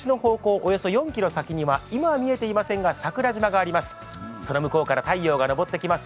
およそ４ｋｍ先には今は見えていませんが、桜島があります。